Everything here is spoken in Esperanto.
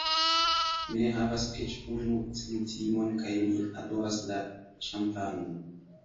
Mi ne havas eĉ unu centimon kaj mi adoras la ĉampanon.